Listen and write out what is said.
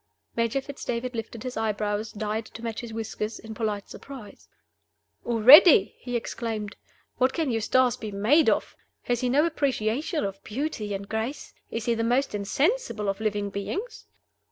Major Fitz David lifted his eyebrows (dyed to match his whiskers) in polite surprise. "Already!" he exclaimed. "What can Eustace be made of? Has he no appreciation of beauty and grace? Is he the most insensible of living beings?"